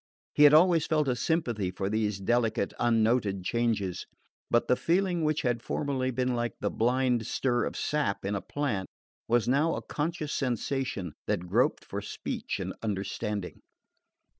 He had always felt a sympathy for these delicate unnoted changes; but the feeling which had formerly been like the blind stir of sap in a plant was now a conscious sensation that groped for speech and understanding.